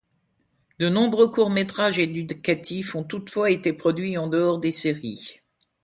De nombreux courts métrages éducatifs ont toutefois été produits en dehors des séries.